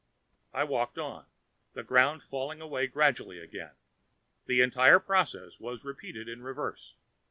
I walked on, the ground falling away gradually again. The entire process was repeated in reverse.